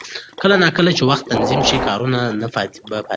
کله نا کله چې وخت تنظیم شي، کارونه به پاتې نه شي.